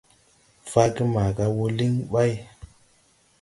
Faage maga wɔ liŋ ɓay.